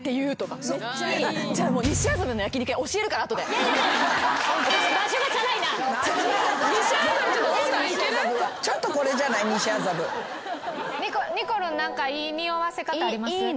にこるん何かいいにおわせ方あります？